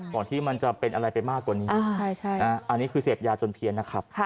ก่อนที่มันจะเป็นอะไรไปมากกว่านี้อันนี้คือเสพยาจนเพียนนะครับ